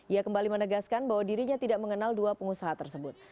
ia kembali menegaskan bahwa dirinya tidak mengenal dua pengusaha tersebut